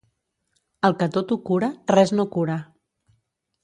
El que tot ho cura, res no cura.